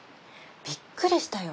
びっくりしたよ。